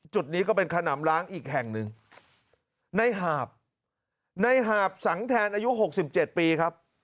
จุดนี้ก็เป็นขนำล้างอีกแห่งหนึ่งในหาบในหาบสังแทนอายุหกสิบเจ็ดปีครับ